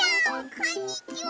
こんにちは。